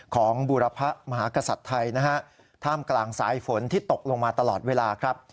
ของบุรพะมหากษัตริย์ไทยนะฮะท่ามกลางสายฝนที่ตกลงมาตลอดเวลาครับ